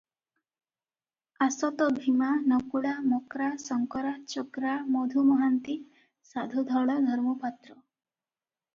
ଆସ ତ ଭୀମା, ନକୁଳା, ମକ୍ରା, ଶଙ୍କରା, ଚକ୍ରା, ମଧୁ ମହାନ୍ତି, ସାଧୁ ଧଳ, ଧର୍ମୁ ପାତ୍ର ।"